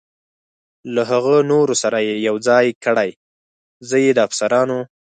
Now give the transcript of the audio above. له هغه نورو سره یې یو ځای کړئ، زه یې د افسرانو.